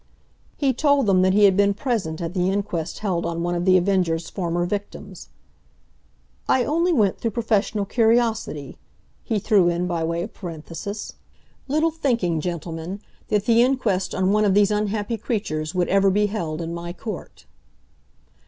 He told them that he had been present at the inquest held on one of The Avenger's former victims. "I only went through professional curiosity," he threw in by way of parenthesis, "little thinking, gentlemen, that the inquest on one of these unhappy creatures would ever be held in my court."